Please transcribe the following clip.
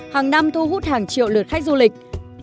hàng năm thu hút hàng triệu lượt khách du lịch